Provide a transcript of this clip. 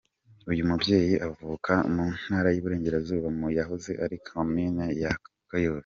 Uyu mubyeyi avuka mu Ntara y’Iburengerazuba mu yahoze ari Komini Kayove.